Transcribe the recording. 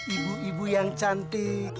ibu ibu yang cantik